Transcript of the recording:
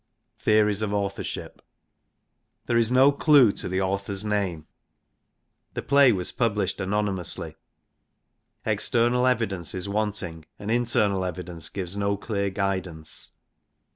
" Theories Of authorship. There is no clue to the author's name. The play was published anonymously. External evidence is wanting, and internal evidence gives no clear guidance.